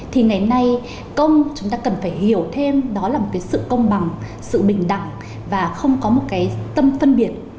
thì ngày nay công chúng ta cần phải hiểu thêm đó là một cái sự công bằng sự bình đẳng và không có một cái tâm phân biệt